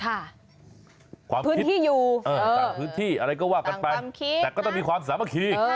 ความคิดความพื้นที่อยู่ต่างพื้นที่อะไรก็ว่ากันไปต่างความคิดนะแต่ก็ต้องมีความสามารถคิด